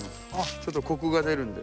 ちょっとコクが出るんで。